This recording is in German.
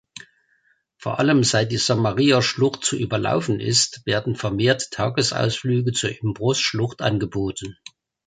Vor allem seit die Samaria-Schlucht zu überlaufen ist, werden vermehrt Tagesausflüge zur Imbros-Schlucht angeboten.